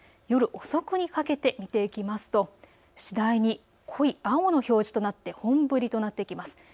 夜遅くにかけて見ていきますと次第に濃い青の表示となって本降りとなってきます。